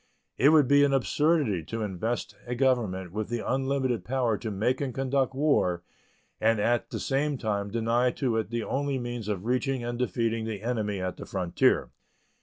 It would be an absurdity to invest a government with the unlimited power to make and conduct war and at the same time deny to it the only means of reaching and defeating the enemy at the frontier.